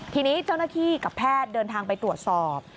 ทีนี้เจ้าหน้าที่กับแพทย์เดินทางไปตรวจสอบ